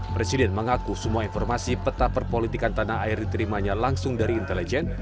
presiden mengaku semua informasi peta perpolitikan tanah air diterimanya langsung dari intelijen